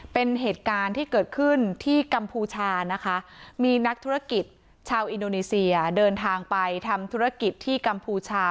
เป็นเหตุการณ์ที่เกิดขึ้นที่กัมพูชานะคะมีนักธุรกิจชาวอินโดนีเซียเดินทางไปทำธุรกิจที่กัมพูชา